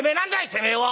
てめえは」